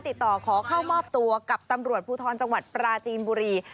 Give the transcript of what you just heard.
ติดต่อขอเข้ามอบตัวกับตำรวจภูทรจังหวัดปราจีนบุรี